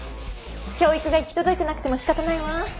教育が行き届いてなくてもしかたないわ。